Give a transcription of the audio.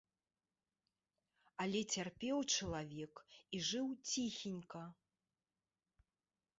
Але цярпеў чалавек і жыў ціхенька.